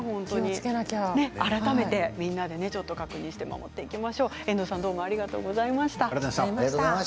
改めてみんなで確認して乗っていきましょう遠藤さんでした。